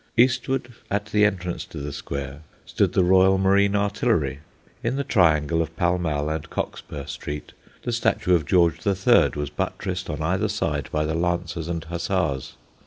Eastward, at the entrance to the square, stood the Royal Marine Artillery. In the triangle of Pall Mall and Cockspur Street, the statue of George III. was buttressed on either side by the Lancers and Hussars.